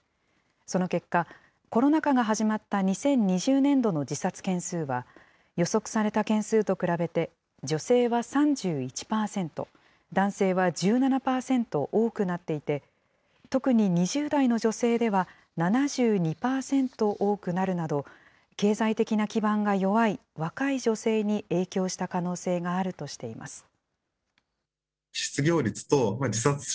その結果、コロナ禍が始まった２０２０年度の自殺件数は、予測された件数と比べて女性は３１％、男性は１７％多くなっていて、特に２０代の女性では７２％多くなるなど、経済的な基盤が弱い若い女性に影響した可能性があるとしています。